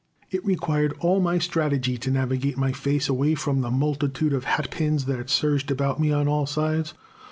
It required all my strategy to navigate my face away from the multitude of hatpins that surged about me on all sides.